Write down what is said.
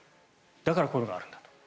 だからこういうのがあるんだと。